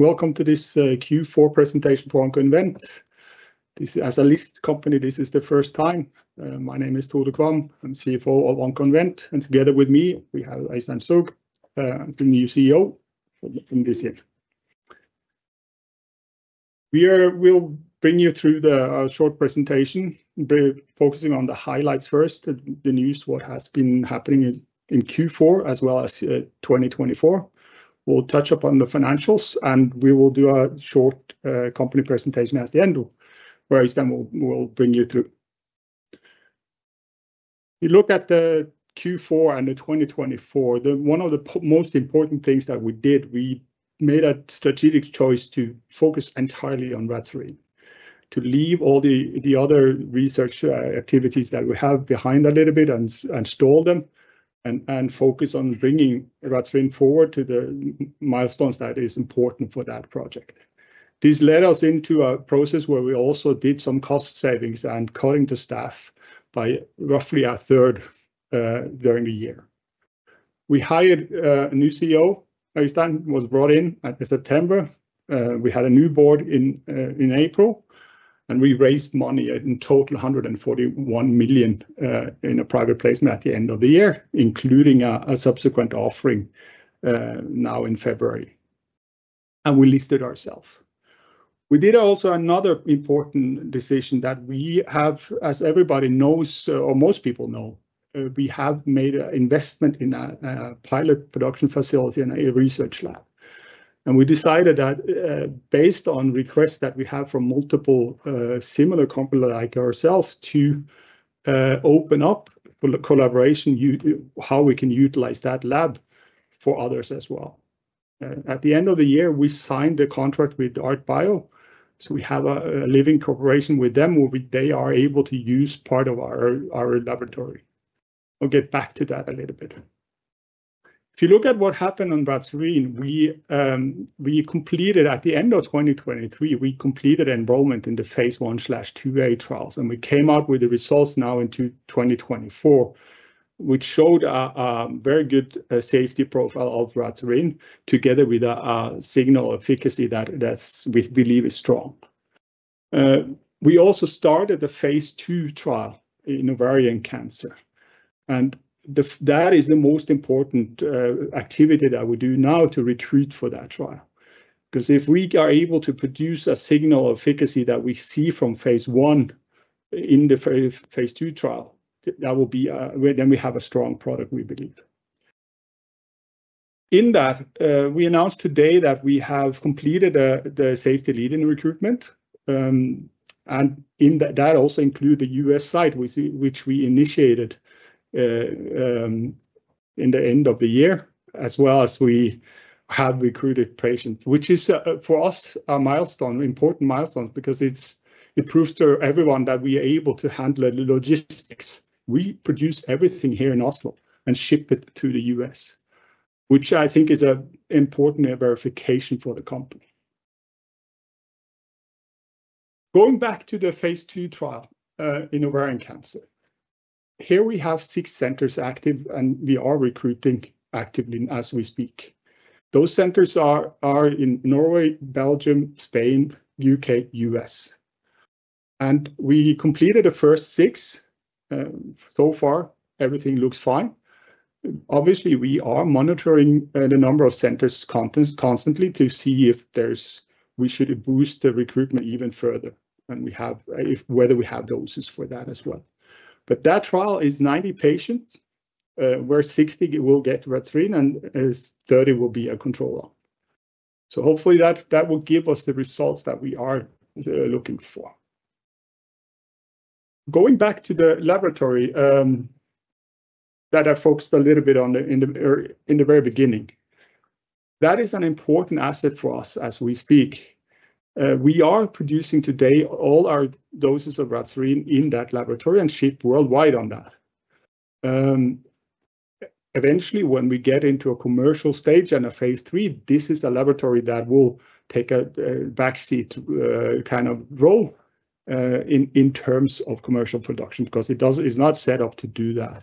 Welcome to this Q4 presentation for Oncoinvent. As a listed company, this is the first time. My name is Tore Kvam. I'm CFO of Oncoinvent, and together with me, we have Øystein Soug, the new CEO from this year. We will bring you through the short presentation, focusing on the highlights first, the news, what has been happening in Q4 as well as 2024. We'll touch upon the financials, and we will do a short company presentation at the end, where Øystein will bring you through. If you look at the Q4 and the 2024, one of the most important things that we did, we made a strategic choice to focus entirely on Radspherin, to leave all the other research activities that we have behind a little bit and stall them, and focus on bringing Radspherin forward to the milestones that are important for that project. This led us into a process where we also did some cost savings and cutting to staff by roughly a third during the year. We hired a new CEO. Øystein was brought in in September. We had a new board in April, and we raised money in total 141 million in a private placement at the end of the year, including a subsequent offering now in February. We listed ourselves. We did also another important decision that we have, as everybody knows, or most people know, we have made an investment in a pilot production facility and a research lab. We decided that, based on requests that we have from multiple similar companies like ourselves, to open up collaboration, how we can utilize that lab for others as well. At the end of the year, we signed the contract with ARTBIO, so we have a living cooperation with them where they are able to use part of our laboratory. I'll get back to that a little bit. If you look at what happened on Radspherin, we completed at the end of 2023, we completed enrollment in the phase I/IIa trials, and we came out with the results now in 2024, which showed a very good safety profile of Radspherin together with a signal efficacy that we believe is strong. We also started the phase II trial in ovarian cancer, and that is the most important activity that we do now to recruit for that trial. Because if we are able to produce a signal efficacy that we see from phase I in the phase II trial, that will be a, then we have a strong product, we believe. In that, we announced today that we have completed the safety lead-in recruitment, and that also included the U.S. site, which we initiated in the end of the year, as well as we have recruited patients, which is for us a milestone, important milestone, because it proves to everyone that we are able to handle logistics. We produce everything here in Oslo and ship it to the U.S., which I think is an important verification for the company. Going back to the phase II trial in ovarian cancer, here we have six centers active, and we are recruiting actively as we speak. Those centers are in Norway, Belgium, Spain, U.K., U.S. We completed the first six so far. Everything looks fine. Obviously, we are monitoring the number of centers constantly to see if we should boost the recruitment even further, and whether we have doses for that as well. That trial is 90 patients, where 60 will get Radspherin and 30 will be a control arm. Hopefully that will give us the results that we are looking for. Going back to the laboratory that I focused a little bit on in the very beginning, that is an important asset for us as we speak. We are producing today all our doses of Radspherin in that laboratory and ship worldwide on that. Eventually, when we get into a commercial stage and a phase III, this is a laboratory that will take a backseat kind of role in terms of commercial production because it is not set up to do that.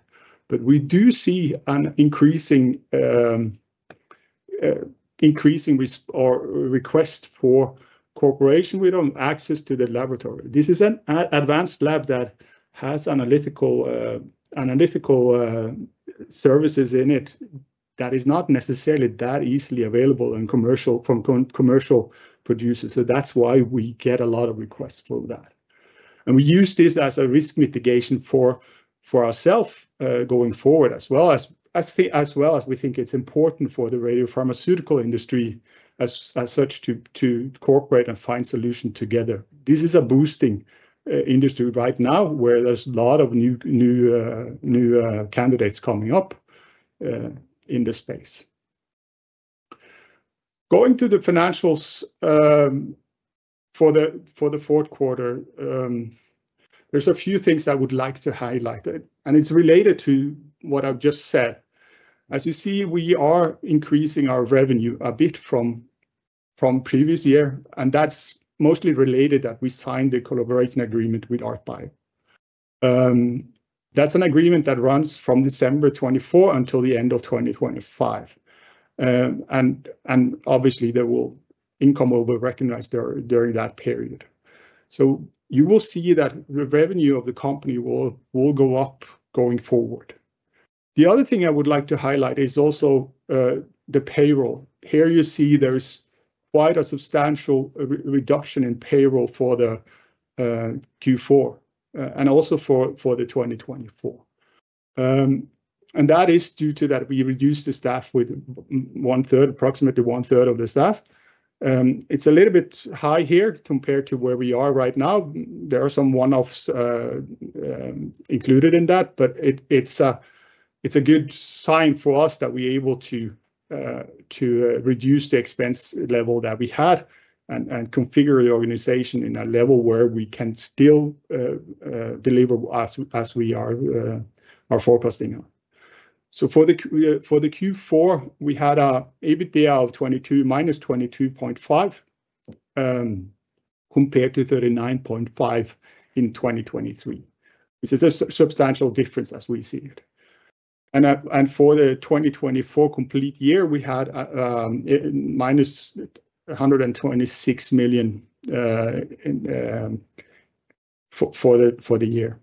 We do see an increasing request for cooperation with access to the laboratory. This is an advanced lab that has analytical services in it that are not necessarily that easily available from commercial producers. That is why we get a lot of requests for that. We use this as a risk mitigation for ourselves going forward, as well as we think it is important for the radiopharmaceutical industry as such to cooperate and find solutions together. This is a boosting industry right now where there are a lot of new candidates coming up in the space. Going to the financials for the fourth quarter, there are a few things I would like to highlight, and it is related to what I have just said. As you see, we are increasing our revenue a bit from previous year, and that is mostly related to that we signed the collaboration agreement with ARTBIO. That's an agreement that runs from December 2024 until the end of 2025. Obviously, the income will be recognized during that period. You will see that the revenue of the company will go up going forward. The other thing I would like to highlight is also the payroll. Here you see there's quite a substantial reduction in payroll for the Q4 and also for the 2024. That is due to that we reduced the staff with one third, approximately one third of the staff. It's a little bit high here compared to where we are right now. There are some one-offs included in that, but it's a good sign for us that we are able to reduce the expense level that we had and configure the organization in a level where we can still deliver as we are forecasting on. For the Q4, we had an EBITDA of -22.5 million compared to 39.5 million in 2023. This is a substantial difference as we see it. For the 2024 complete year, we had -126 million for the year.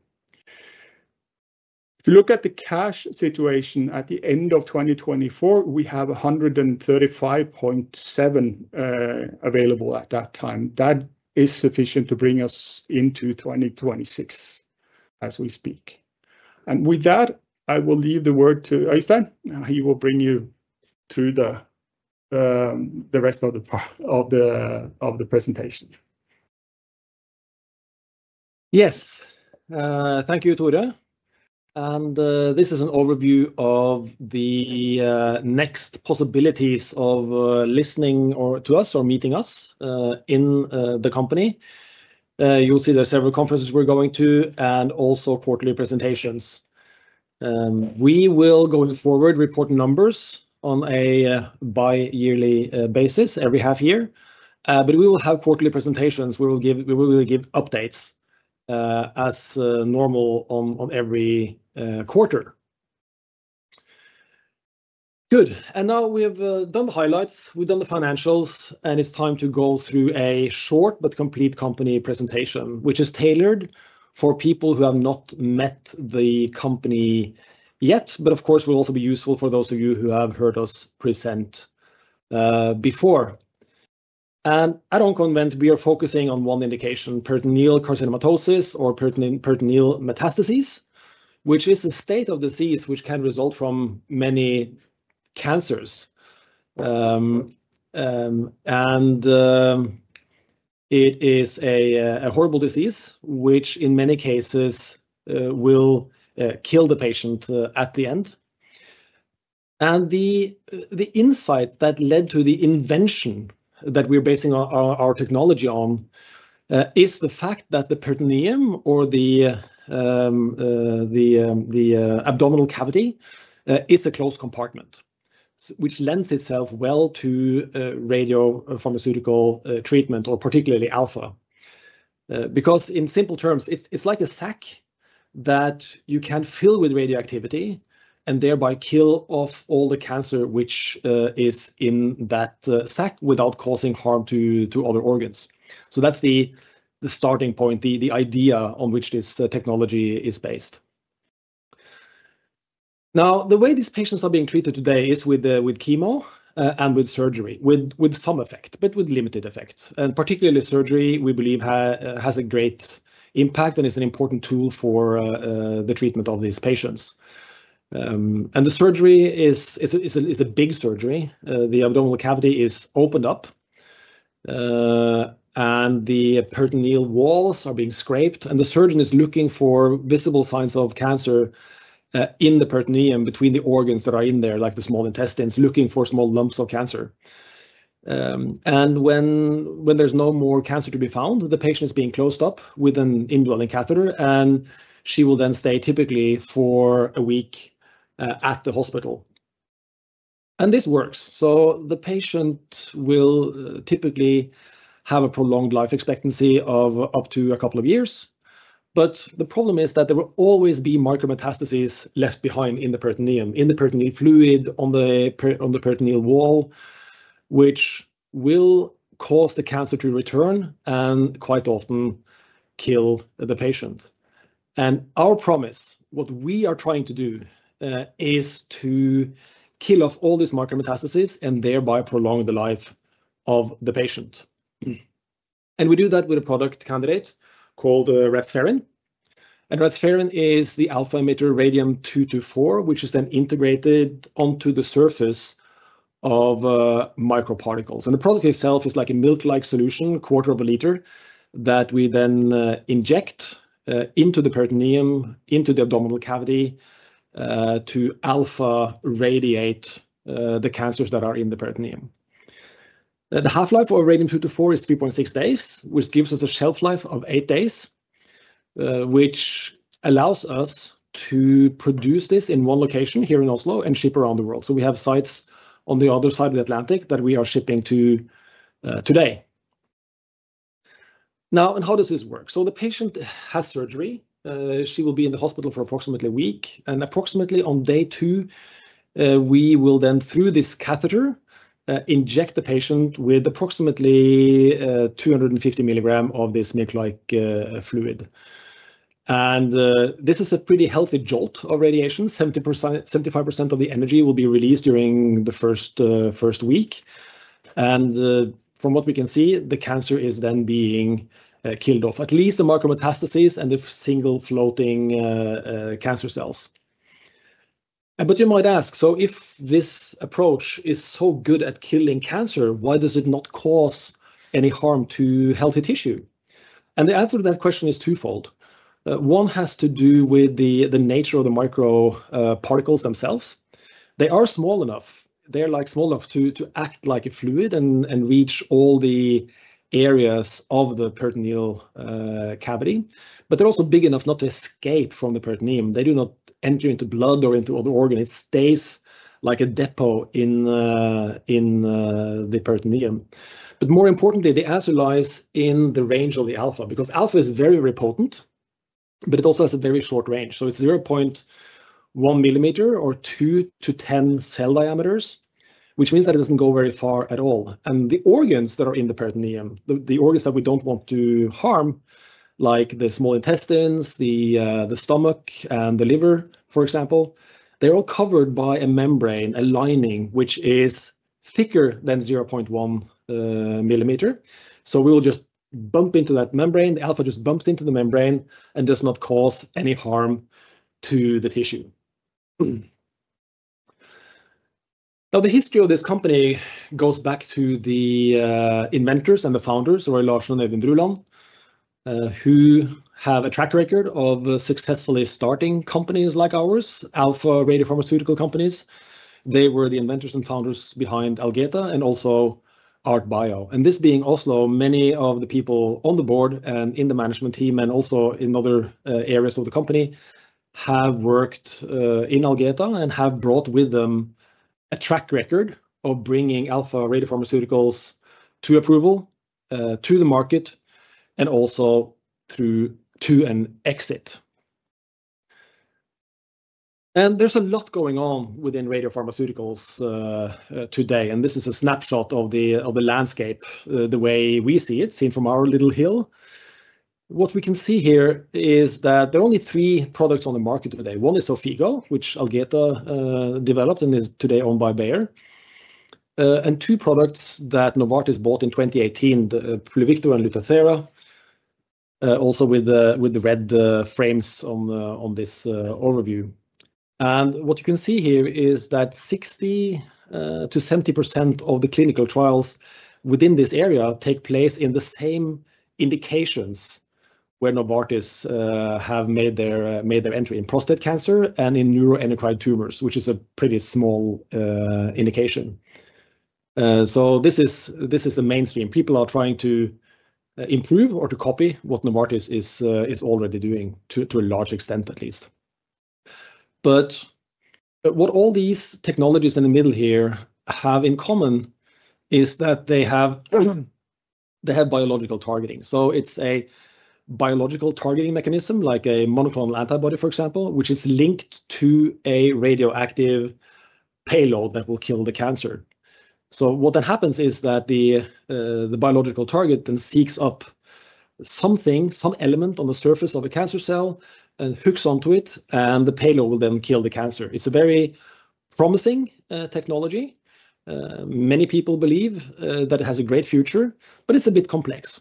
If you look at the cash situation at the end of 2024, we have 135.7 million available at that time. That is sufficient to bring us into 2026 as we speak. With that, I will leave the word to Øystein. He will bring you through the rest of the presentation. Yes. Thank you, Tore. This is an overview of the next possibilities of listening to us or meeting us in the company. You'll see there are several conferences we're going to and also quarterly presentations. We will, going forward, report numbers on a bi-yearly basis every half year, but we will have quarterly presentations. We will give updates as normal on every quarter. Good. Now we have done the highlights. We've done the financials, and it's time to go through a short but complete company presentation, which is tailored for people who have not met the company yet, but of course, will also be useful for those of you who have heard us present before. At Oncoinvent, we are focusing on one indication, peritoneal carcinomatosis or peritoneal metastasis, which is a state of disease which can result from many cancers. It is a horrible disease which, in many cases, will kill the patient at the end. The insight that led to the invention that we're basing our technology on is the fact that the peritoneum or the abdominal cavity is a closed compartment, which lends itself well to radiopharmaceutical treatment, or particularly alpha. Because in simple terms, it's like a sack that you can fill with radioactivity and thereby kill off all the cancer which is in that sack without causing harm to other organs. That's the starting point, the idea on which this technology is based. Now, the way these patients are being treated today is with chemo and with surgery, with some effect, but with limited effect. Particularly surgery, we believe, has a great impact and is an important tool for the treatment of these patients. The surgery is a big surgery. The abdominal cavity is opened up, and the peritoneal walls are being scraped, and the surgeon is looking for visible signs of cancer in the peritoneum between the organs that are in there, like the small intestines, looking for small lumps of cancer. When there's no more cancer to be found, the patient is being closed up with an indwelling catheter, and she will then stay typically for a week at the hospital. This works. The patient will typically have a prolonged life expectancy of up to a couple of years. The problem is that there will always be micro-metastases left behind in the peritoneum, in the peritoneal fluid, on the peritoneal wall, which will cause the cancer to return and quite often kill the patient. Our promise, what we are trying to do, is to kill off all these micro-metastases and thereby prolong the life of the patient. We do that with a product candidate called Radspherin. Radspherin is the alpha emitter radium 224, which is then integrated onto the surface of microparticles. The product itself is like a milk-like solution, 1/4 of a liter, that we then inject into the peritoneum, into the abdominal cavity to alpha radiate the cancers that are in the peritoneum. The half-life of radium 224 is 3.6 days, which gives us a shelf life of eight days, which allows us to produce this in one location here in Oslo and ship around the world. We have sites on the other side of the Atlantic that we are shipping to today. Now, how does this work? The patient has surgery. She will be in the hospital for approximately a week. Approximately on day two, we will then, through this catheter, inject the patient with approximately 250 mg of this milk-like fluid. This is a pretty healthy jolt of radiation. 75% of the energy will be released during the first week. From what we can see, the cancer is then being killed off, at least the micro-metastases and the single floating cancer cells. You might ask, if this approach is so good at killing cancer, why does it not cause any harm to healthy tissue? The answer to that question is twofold. One has to do with the nature of the micro-particles themselves. They are small enough to act like a fluid and reach all the areas of the peritoneal cavity. They are also big enough not to escape from the peritoneum. They do not enter into blood or into other organs. It stays like a depot in the peritoneum. More importantly, the answer lies in the range of the alpha, because alpha is very, very potent, but it also has a very short range. It is 0.1 mm or 2-10 cell diameters, which means that it does not go very far at all. The organs that are in the peritoneum, the organs that we do not want to harm, like the small intestines, the stomach, and the liver, for example, are all covered by a membrane, a lining, which is thicker than 0.1 mm. We will just bump into that membrane. The alpha just bumps into the membrane and does not cause any harm to the tissue. Now, the history of this company goes back to the inventors and the founders, Roy H. Larsen and Øyvind Bruland, who have a track record of successfully starting companies like ours, alpha radiopharmaceutical companies. They were the inventors and founders behind Algeta and also ARTBIO. This being Oslo, many of the people on the board and in the management team and also in other areas of the company have worked in Algeta and have brought with them a track record of bringing alpha radiopharmaceuticals to approval, to the market, and also through to an exit. There is a lot going on within radiopharmaceuticals today. This is a snapshot of the landscape, the way we see it, seen from our little hill. What we can see here is that there are only three products on the market today. One is Xofigo, which Algeta developed and is today owned by Bayer. Two products that Novartis bought in 2018, Pluvicto and Lutathera, also with the red frames on this overview. What you can see here is that 60%-70% of the clinical trials within this area take place in the same indications where Novartis have made their entry in prostate cancer and in neuroendocrine tumors, which is a pretty small indication. This is the mainstream. People are trying to improve or to copy what Novartis is already doing to a large extent, at least. What all these technologies in the middle here have in common is that they have biological targeting. It is a biological targeting mechanism, like a monoclonal antibody, for example, which is linked to a radioactive payload that will kill the cancer. What then happens is that the biological target then seeks up something, some element on the surface of a cancer cell and hooks onto it, and the payload will then kill the cancer. It's a very promising technology. Many people believe that it has a great future, but it's a bit complex.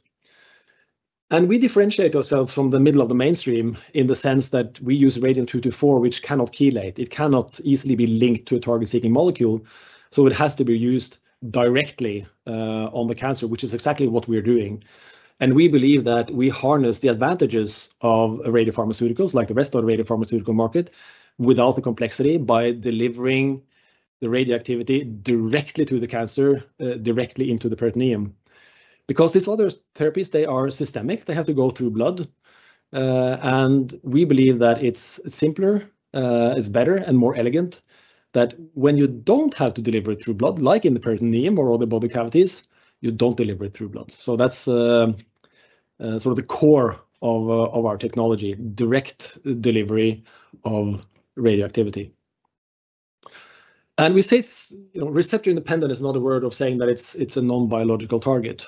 We differentiate ourselves from the middle of the mainstream in the sense that we use radium 224, which cannot chelate. It cannot easily be linked to a target-seeking molecule. It has to be used directly on the cancer, which is exactly what we are doing. We believe that we harness the advantages of radiopharmaceuticals, like the rest of the radiopharmaceutical market, without the complexity by delivering the radioactivity directly to the cancer, directly into the peritoneum. These other therapies are systemic. They have to go through blood. We believe that it's simpler, it's better, and more elegant that when you don't have to deliver it through blood, like in the peritoneum or other body cavities, you don't deliver it through blood. That is sort of the core of our technology, direct delivery of radioactivity. We say receptor independent is another way of saying that it's a non-biological target.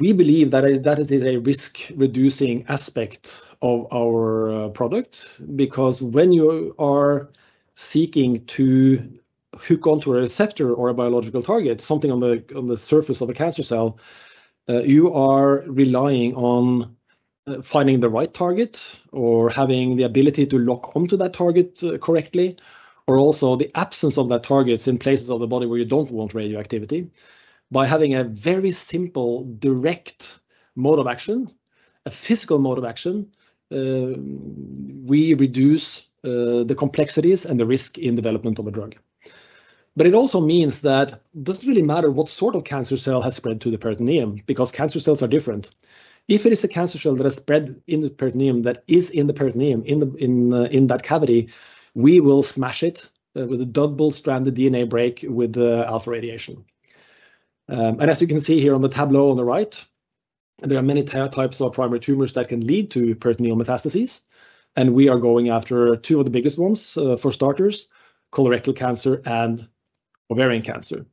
We believe that it is a risk-reducing aspect of our product because when you are seeking to hook onto a receptor or a biological target, something on the surface of a cancer cell, you are relying on finding the right target or having the ability to lock onto that target correctly, or also the absence of that target in places of the body where you don't want radioactivity. By having a very simple, direct mode of action, a physical mode of action, we reduce the complexities and the risk in development of a drug. It also means that it does not really matter what sort of cancer cell has spread to the peritoneum because cancer cells are different. If it is a cancer cell that has spread in the peritoneum, that is in the peritoneum, in that cavity, we will smash it with a double-stranded DNA break with alpha radiation. As you can see here on the tableau on the right, there are many types of primary tumors that can lead to peritoneal metastases. We are going after two of the biggest ones for starters, colorectal cancer and ovarian cancer.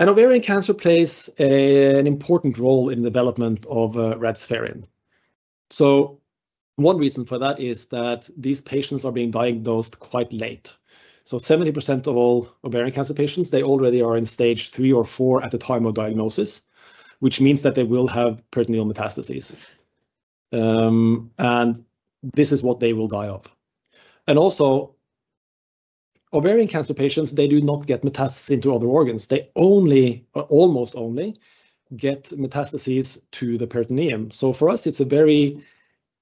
Ovarian cancer plays an important role in the development of Radspherin. One reason for that is that these patients are being diagnosed quite late. Seventy percent of all ovarian cancer patients, they already are in stage three or four at the time of diagnosis, which means that they will have peritoneal metastases. This is what they will die of. Also, ovarian cancer patients, they do not get metastasis into other organs. They only, almost only, get metastases to the peritoneum. For us, it's a very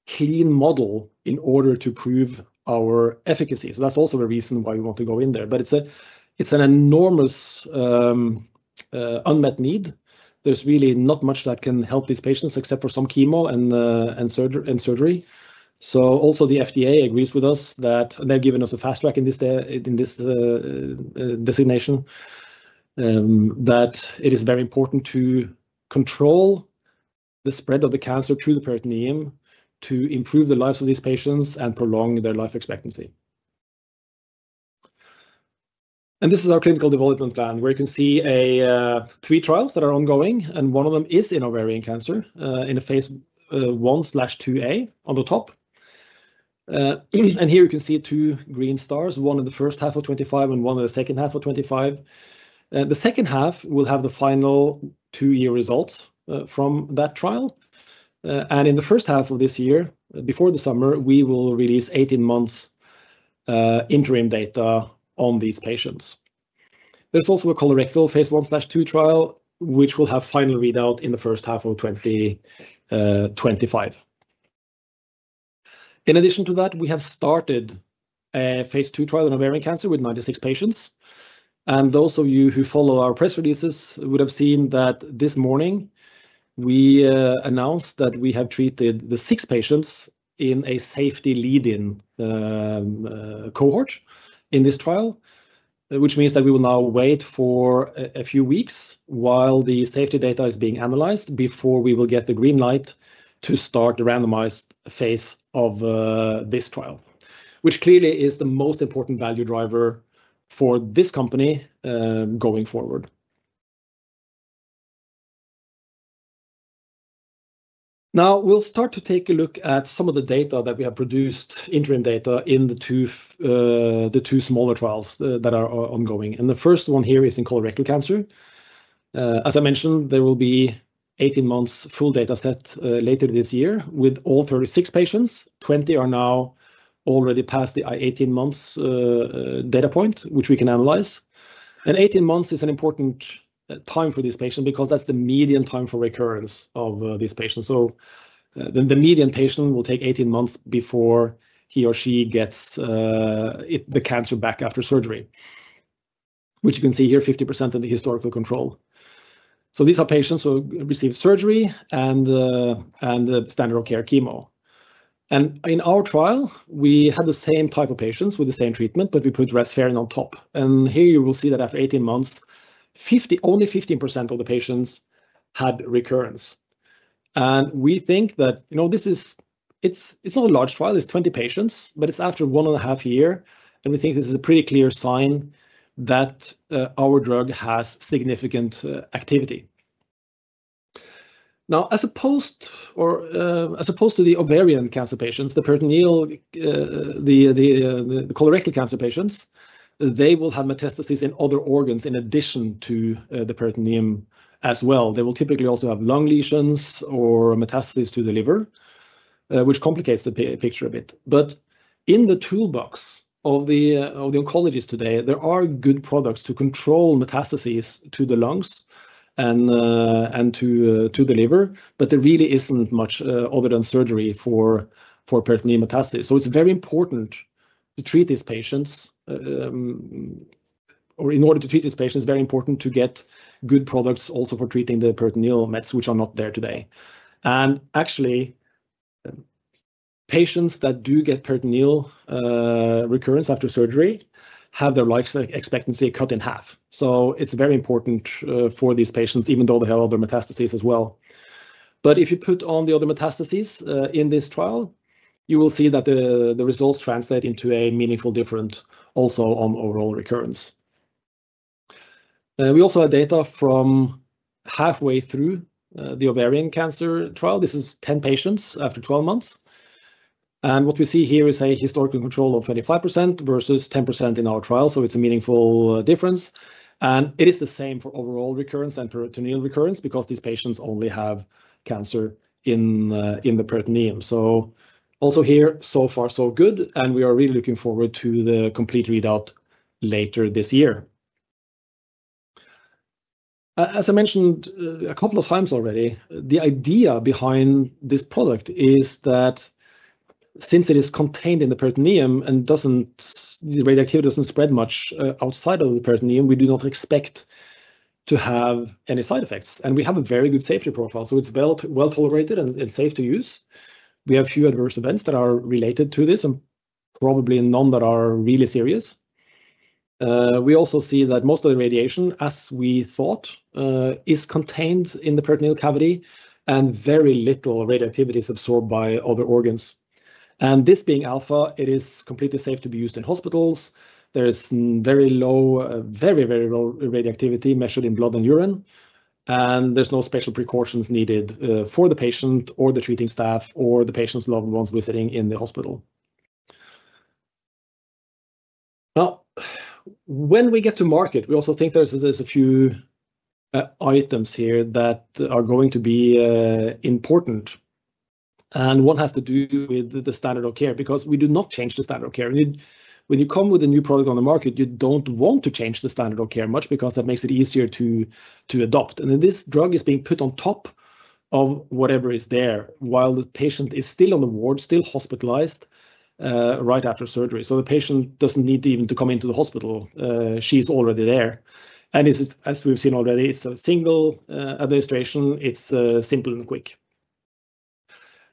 clean model in order to prove our efficacy. That's also the reason why we want to go in there. It is an enormous unmet need. There's really not much that can help these patients except for some chemo and surgery. Also, the FDA agrees with us that they've given us a fast track in this designation, that it is very important to control the spread of the cancer through the peritoneum to improve the lives of these patients and prolong their life expectancy. This is our clinical development plan, where you can see three trials that are ongoing. One of them is in ovarian cancer in phase I/IIa on the top. Here you can see two green stars, one in the first half of 2025 and one in the second half of 2025. The second half will have the final two-year results from that trial. In the first half of this year, before the summer, we will release 18 months interim data on these patients. There is also a colorectal phase I/II trial, which will have final readout in the first half of 2025. In addition to that, we have started a phase II trial in ovarian cancer with 96 patients. Those of you who follow our press releases would have seen that this morning, we announced that we have treated the six patients in a safety lead-in cohort in this trial, which means that we will now wait for a few weeks while the safety data is being analyzed before we will get the green light to start the randomized phase of this trial, which clearly is the most important value driver for this company going forward. Now, we'll start to take a look at some of the data that we have produced, interim data in the two smaller trials that are ongoing. The first one here is in colorectal cancer. As I mentioned, there will be an 18-month full data set later this year with all 36 patients. Twenty are now already past the 18-month data point, which we can analyze. Eighteen months is an important time for this patient because that's the median time for recurrence of this patient. The median patient will take 18 months before he or she gets the cancer back after surgery, which you can see here, 50% of the historical control. These are patients who received surgery and the standard of care chemo. In our trial, we had the same type of patients with the same treatment, but we put Radspherin on top. Here you will see that after 18 months, only 15% of the patients had recurrence. We think that this is, it's not a large trial. It's 20 patients, but it's after one and a half year. We think this is a pretty clear sign that our drug has significant activity. Now, as opposed to the ovarian cancer patients, the peritoneal, the colorectal cancer patients, they will have metastases in other organs in addition to the peritoneum as well. They will typically also have lung lesions or metastases to the liver, which complicates the picture a bit. In the toolbox of the oncologists today, there are good products to control metastases to the lungs and to the liver, but there really is not much other than surgery for peritoneal metastases. It is very important to treat these patients, or in order to treat these patients, it is very important to get good products also for treating the peritoneal mets, which are not there today. Actually, patients that do get peritoneal recurrence after surgery have their life expectancy cut in half. It is very important for these patients, even though they have other metastases as well. If you put on the other metastases in this trial, you will see that the results translate into a meaningful difference also on overall recurrence. We also have data from halfway through the ovarian cancer trial. This is 10 patients after 12 months. What we see here is a historical control of 25% versus 10% in our trial. It is a meaningful difference. It is the same for overall recurrence and peritoneal recurrence because these patients only have cancer in the peritoneum. Also here, so far, so good. We are really looking forward to the complete readout later this year. As I mentioned a couple of times already, the idea behind this product is that since it is contained in the peritoneum and the radioactivity does not spread much outside of the peritoneum, we do not expect to have any side effects. We have a very good safety profile. It is well tolerated and safe to use. We have few adverse events that are related to this and probably none that are really serious. We also see that most of the radiation, as we thought, is contained in the peritoneal cavity and very little radioactivity is absorbed by other organs. This being alpha, it is completely safe to be used in hospitals. There is very low, very, very low radioactivity measured in blood and urine. There are no special precautions needed for the patient or the treating staff or the patient's loved ones visiting in the hospital. Now, when we get to market, we also think there are a few items here that are going to be important. One has to do with the standard of care because we do not change the standard of care. When you come with a new product on the market, you do not want to change the standard of care much because that makes it easier to adopt. This drug is being put on top of whatever is there while the patient is still on the ward, still hospitalized right after surgery. The patient does not need to even come into the hospital. She is already there. As we have seen already, it is a single administration. It is simple and quick.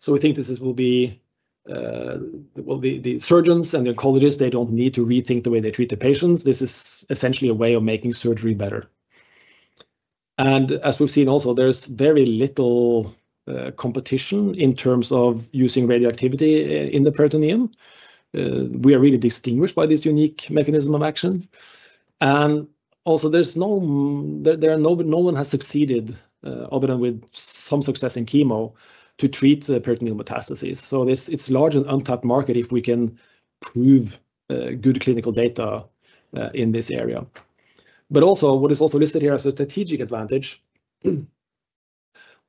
We think this will be the surgeons and the oncologists, they do not need to rethink the way they treat the patients. This is essentially a way of making surgery better. As we have seen also, there is very little competition in terms of using radioactivity in the peritoneum. We are really distinguished by this unique mechanism of action. Also, no one has succeeded other than with some success in chemo to treat the peritoneal metastases. It is a large and untapped market if we can prove good clinical data in this area. What is also listed here as a strategic advantage,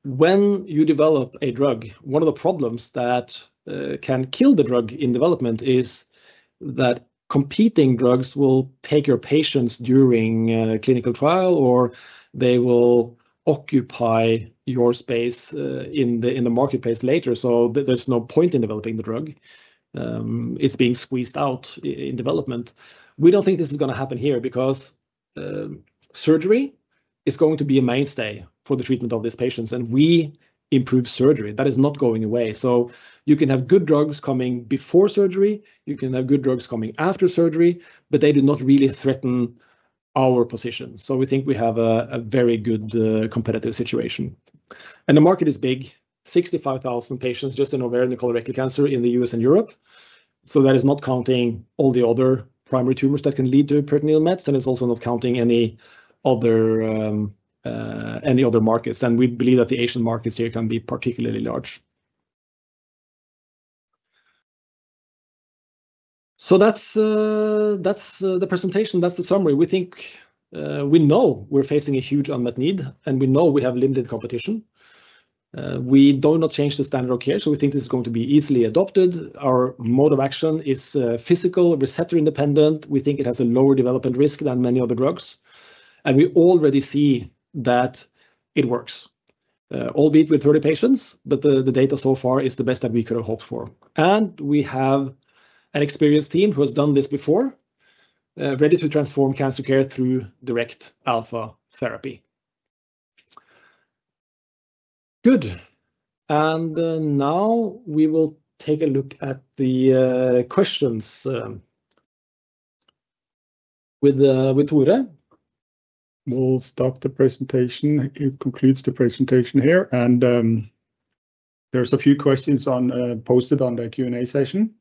when you develop a drug, one of the problems that can kill the drug in development is that competing drugs will take your patients during a clinical trial or they will occupy your space in the marketplace later. There is no point in developing the drug if it is being squeezed out in development. We do not think this is going to happen here because surgery is going to be a mainstay for the treatment of these patients. We improve surgery. That is not going away. You can have good drugs coming before surgery. You can have good drugs coming after surgery, but they do not really threaten our position. We think we have a very good competitive situation. The market is big, 65,000 patients just in ovarian and colorectal cancer in the U.S. and Europe. That is not counting all the other primary tumors that can lead to peritoneal mets. It is also not counting any other markets. We believe that the Asian markets here can be particularly large. That is the presentation. That is the summary. We think we know we are facing a huge unmet need, and we know we have limited competition. We do not change the standard of care. We think this is going to be easily adopted. Our mode of action is physical, receptor independent. We think it has a lower development risk than many other drugs. We already see that it works, albeit with 30 patients, but the data so far is the best that we could have hoped for. We have an experienced team who has done this before, ready to transform cancer care through direct alpha therapy. Good. Now we will take a look at the questions with Tore. We'll start the presentation. It concludes the presentation here. There are a few questions posted on the Q&A session.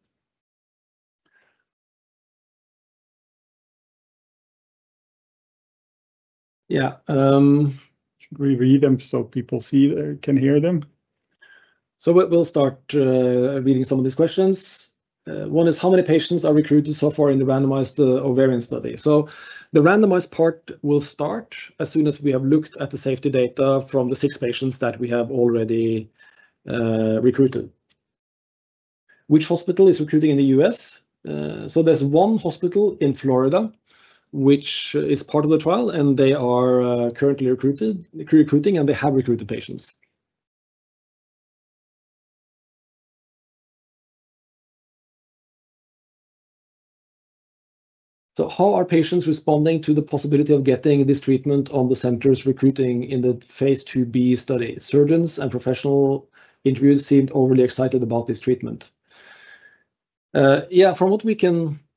Yeah. We'll read them so people can hear them. We'll start reading some of these questions. One is, how many patients are recruited so far in the randomized ovarian study? The randomized part will start as soon as we have looked at the safety data from the six patients that we have already recruited. Which hospital is recruiting in the U.S.? There is one hospital in Florida, which is part of the trial, and they are currently recruiting, and they have recruited patients. How are patients responding to the possibility of getting this treatment on the centers recruiting in the phase IIb study? Surgeons and professional interviews seemed overly excited about this treatment. From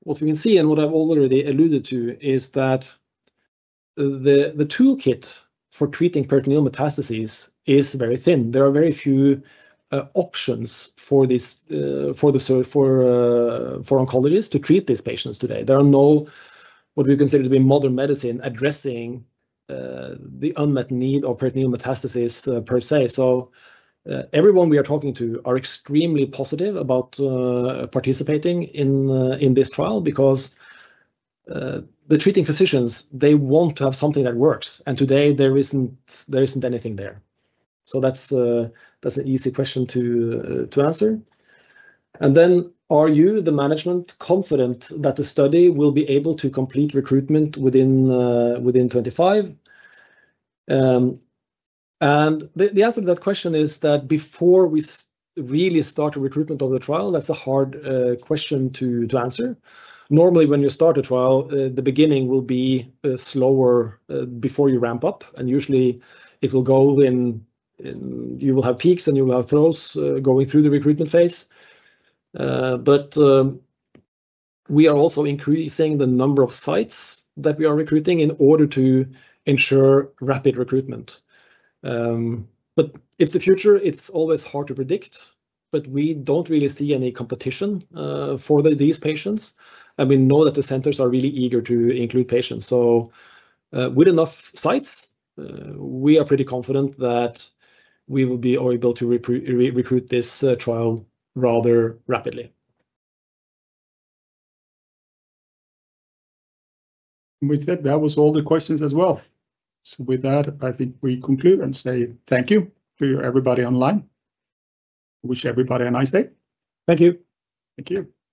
what we can see and what I have already alluded to is that the toolkit for treating peritoneal metastases is very thin. There are very few options for the oncologists to treat these patients today. There are no what we consider to be modern medicine addressing the unmet need of peritoneal metastases per se. Everyone we are talking to are extremely positive about participating in this trial because the treating physicians, they want to have something that works. Today, there is not anything there. That is an easy question to answer. Are you, the management, confident that the study will be able to complete recruitment within 2025? The answer to that question is that before we really start the recruitment of the trial, that's a hard question to answer. Normally, when you start a trial, the beginning will be slower before you ramp up. Usually, it will go in, you will have peaks and you will have troughs going through the recruitment phase. We are also increasing the number of sites that we are recruiting in order to ensure rapid recruitment. It is the future. It is always hard to predict, but we do not really see any competition for these patients. We know that the centers are really eager to include patients. With enough sites, we are pretty confident that we will be able to recruit this trial rather rapidly. With that, that was all the questions as well. With that, I think we conclude and say thank you to everybody online. Wish everybody a nice day. Thank you. Thank you.